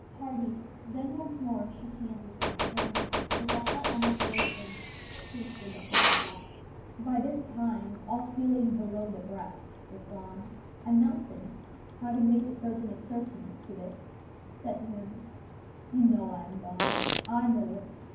Hardy then once more shook hands with him, and, with a heart almost bursting, hastened upon deck. By this time all feeling below the breast was gone, and Nelson, having made the surgeon ascertain this, said to him: "You know I am gone. I know it.